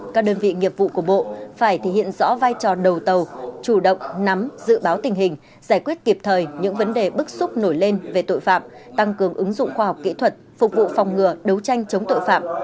các đơn vị nghiệp vụ của bộ phải thể hiện rõ vai trò đầu tàu chủ động nắm dự báo tình hình giải quyết kịp thời những vấn đề bức xúc nổi lên về tội phạm tăng cường ứng dụng khoa học kỹ thuật phục vụ phòng ngừa đấu tranh chống tội phạm